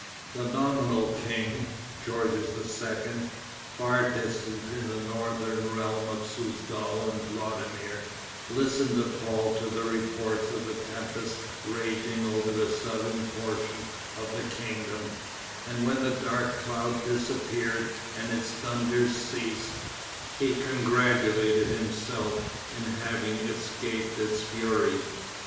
The nominal king, Georges II., far distant in the northern realms of Souzdal and Vladimir, listened appalled to the reports of the tempest raging over the southern portion of the kingdom; and when the dark cloud disappeared and its thunders ceased, he congratulated himself in having escaped its fury.